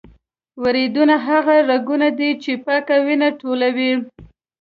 وریدونه هغه رګونه دي چې پاکه وینه ټولوي.